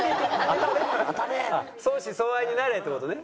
相思相愛になれって事ね。